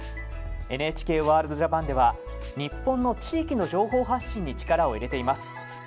ＮＨＫワールドＪＡＰＡＮでは日本の地域の情報発信に力を入れています。